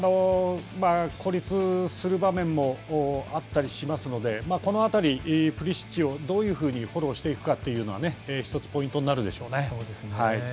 孤立する場面もあったりしますのでこの辺り、プリシッチをどういうふうにフォローしていくかというのはポイントになるでしょうね。